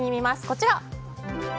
こちら。